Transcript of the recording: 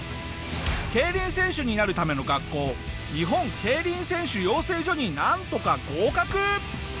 競輪選手になるための学校日本競輪選手養成所になんとか合格！